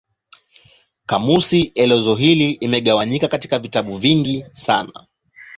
Kamusi elezo hii imegawanyika katika vitabu vingi sana.